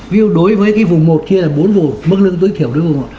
ví dụ đối với cái vùng một chia là bốn vùng mức lương tối thiểu đến vùng một